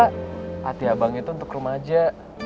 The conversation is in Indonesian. hati abang itu untuk rum aja